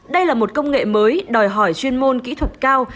đây là một công nghệ mới đòi hỏi chuyên môn kỹ thuật cao